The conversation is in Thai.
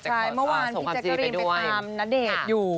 ใช่เมื่อวานพี่แจ๊กกะรีนไปตามณเดชน์อยู่